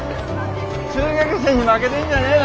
中学生に負けてんじゃねえの？